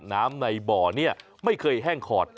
น้ำในบ่อนี้ไม่เคยแห้งขอด